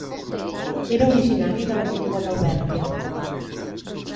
Era originari de la Llengua d'Alvèrnia.